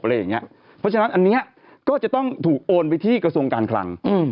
เพราะฉะนั้นอันนี้ก็จะต้องถูกโอนไปที่กระทรวงการคลัง